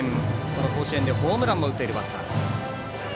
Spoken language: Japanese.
この甲子園でホームランも打っているバッター。